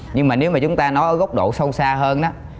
nhưng mà nếu mà chúng ta nó ở góc độ sâu xa hơn đó